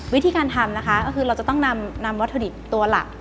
วิธีการทำนะคะก็คือเราจะต้องนำวัตถุดิบตัวหลัก